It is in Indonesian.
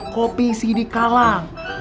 kopi sidik kalang